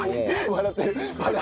笑ってる。